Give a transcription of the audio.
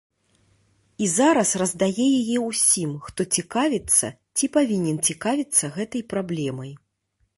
І зараз раздае яе ўсім, хто цікавіцца ці павінен цікавіцца гэтай праблемай.